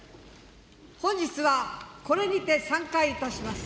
本日はこれにて散会いたします。